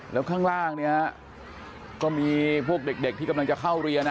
แล้วข้างล่างเนี่ยก็มีพวกเด็กที่กำลังจะเข้าเรียน